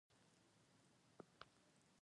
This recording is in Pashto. ستا طبیعت څنګه دی؟